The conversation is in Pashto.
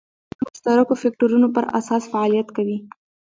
پنځو مشترکو فکټورونو پر اساس فعالیت کوي.